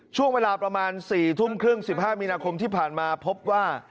ช่วงเวลาประมาณ๔ทุ่มครึ่ง๑๕มีนาคมที่ผ่านมาพบว่า